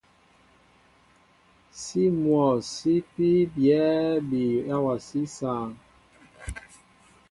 Sí myɔ̂ sí ipí byɛ̂ ḿbí awasí sááŋ.